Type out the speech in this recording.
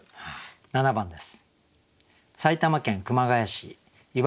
７番です。